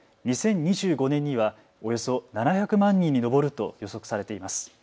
２０２５年にはおよそ７００万人に上ると予測されています。